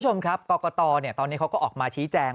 คุณผู้ชมครับกรกตตอนนี้เขาก็ออกมาชี้แจง